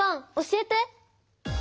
教えて！